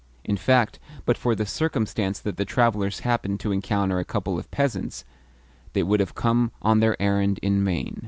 In fact, but for the circumstance that the travellers happened to encounter a couple of peasants, they would have come on their errand in vain.